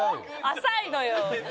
浅いのよ。